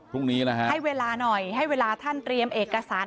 พรุ่งนี้นะฮะให้เวลาหน่อยให้เวลาท่านเตรียมเอกสาร